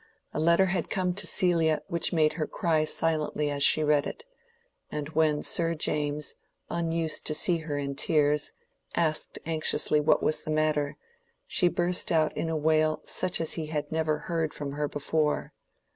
A letter had come to Celia which made her cry silently as she read it; and when Sir James, unused to see her in tears, asked anxiously what was the matter, she burst out in a wail such as he had never heard from her before.